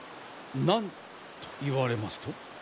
何と言われますと？